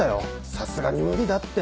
さすがに無理だって。